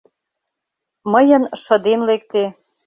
Мыйын шыдем лекте.